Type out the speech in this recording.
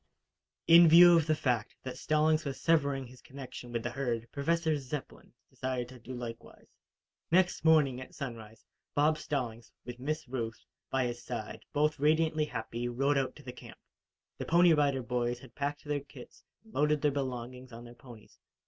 In view of the fact that Stallings was severing his connection with the herd, Professor Zepplin decided to do likewise. Next morning, at sunrise, Bob Stallings, with Miss Ruth, by his side, both radiantly happy, rode out to the camp. The Pony Rider Boys had packed their kits and loaded their belongings on their ponies.